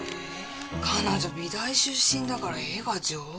彼女美大出身だから絵が上手！